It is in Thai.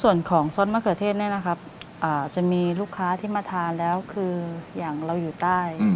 ส่วนของซอสมะเขือเทศเนี่ยนะครับจะมีลูกค้าที่มาทานแล้วคืออย่างเราอยู่ใต้